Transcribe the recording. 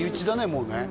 もうね